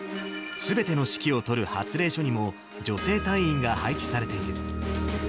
すべての指揮を執る発令所にも女性隊員が配置されている。